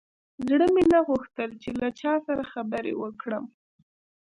زړه مې نه غوښتل چې له چا سره خبرې وکړم.